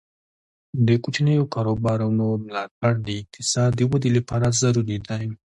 د کوچنیو کاروبارونو ملاتړ د اقتصاد د ودې لپاره ضروري دی.